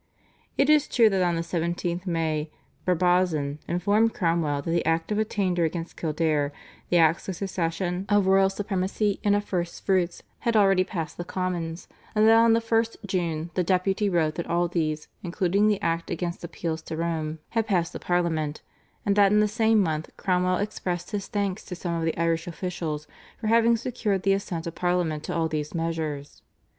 It is true that on the 17th May Brabazon informed Cromwell that the Act of Attainder against Kildare, the Acts of Succession, of Royal Supremacy and of First Fruits had already passed the Commons, and that on the 1st June the Deputy wrote that all these, including the Act against Appeals to Rome, had passed the Parliament, and that in the same month Cromwell expressed his thanks to some of the Irish officials for having secured the assent of Parliament to all these measures.